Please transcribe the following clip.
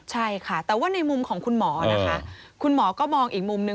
ใช่ค่ะแต่ว่าในมุมของคุณหมอนะคะคุณหมอก็มองอีกมุมนึง